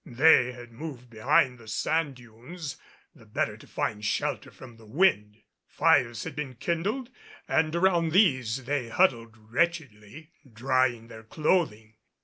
They had moved behind the sand dunes the better to find shelter from the wind. Fires had been kindled and around these they huddled wretchedly, drying their clothing.